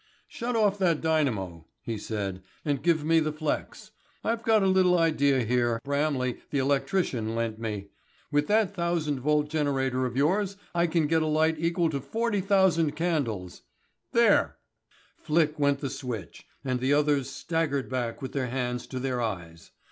"Shut off that dynamo," he said, "and give me the flex. I've got a little idea here Bramley, the electrician, lent me. With that 1000 volt generator of yours I can get a light equal to 40,000 candles. There." Flick went the switch, and the others staggered back with their hands to their eyes.